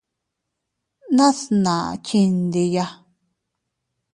Nas naa chindiya.